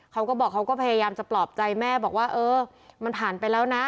เขาก็บอกเขาก็พยายามจะปลอบใจแม่บอกว่าเออมันผ่านไปแล้วนะ